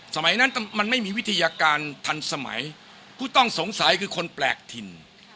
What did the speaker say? สมัยนั้นมันไม่มีวิทยาการทันสมัยผู้ต้องสงสัยคือคนแปลกถิ่น